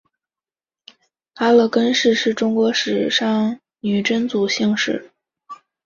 阿勒根氏是中国历史上女真族姓氏。